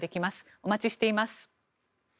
お待ちしています。